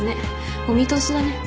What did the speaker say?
お見通しだね。